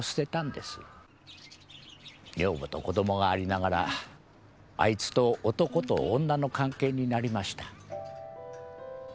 女房と子供がありながらあいつと男と女の関係になりました。